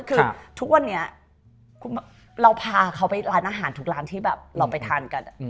คือทุกวันนี้เราพาเขาไปร้านอาหารทุกร้านที่แบบเราไปทานกัน